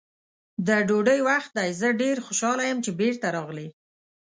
د ډوډۍ وخت دی، زه ډېر خوشحاله یم چې بېرته راغلې.